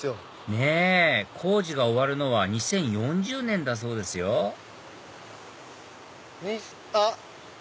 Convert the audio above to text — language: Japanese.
ねぇ工事が終わるのは２０４０年だそうですよあっ